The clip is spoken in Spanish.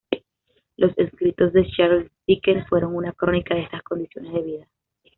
Los escritos de Charles Dickens fueron una crónica de estas condiciones de vida.